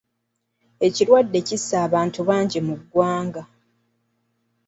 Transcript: Ekirwadde kisse abantu bangi mu ggwanga.